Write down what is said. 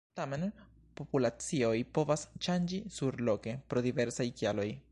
Tamen, populacioj povas ŝanĝi surloke pro diversaj kialoj.